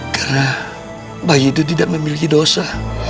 karena bayi itu tidak memiliki dosa